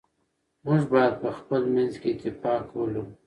موږ باید په خپل منځ کي اتفاق ولرو.